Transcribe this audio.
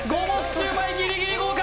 シュウマイギリギリ合格！